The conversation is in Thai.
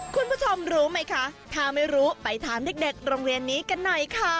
คุณผู้ชมรู้ไหมคะถ้าไม่รู้ไปถามเด็กโรงเรียนนี้กันหน่อยค่ะ